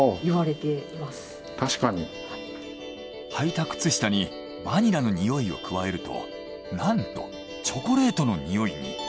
履いた靴下にバニラのにおいを加えるとなんとチョコレートのにおいに。